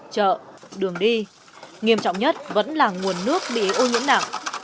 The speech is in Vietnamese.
chợ đường đi nghiêm trọng nhất vẫn là nguồn nước bị ô nhiễm nặng